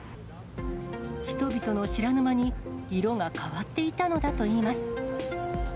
人々の知らぬ間に色が変わっていたのだといいます。